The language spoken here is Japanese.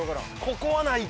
ここはない。